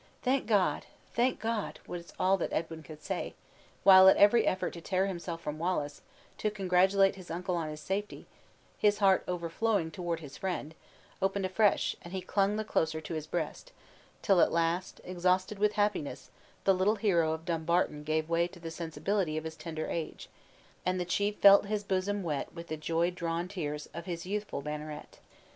"Thank God! thank God!" was all that Edwin could say; while, at every effort to tear himself from Wallace, to congratulate his uncle on his safety, his heart overflowing toward his friend, opened afresh, and he clung the closer to his breast; till at last, exhausted with happiness, the little hero of Dumbarton gave way to the sensibility of his tender age, and the chief felt his bosom wet with the joy drawn tears of his youthful banneret.